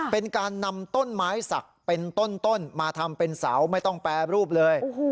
เป็นการนำต้นไม้สักเป็นต้นต้นมาทำเป็นเสาไม่ต้องแปลรูปเลยโอ้โห